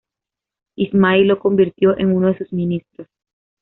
Ismail lo convirtió en uno de sus ministros.